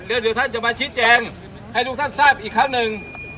เดี๋ยวท่านจะมาชี้แจงให้ทุกท่านทราบอีกครั้งหนึ่ง